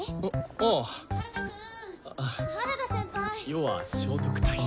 余は聖徳太子。